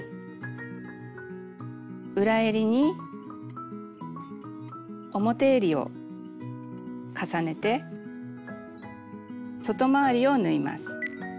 裏えりに表えりを重ねて外回りを縫います。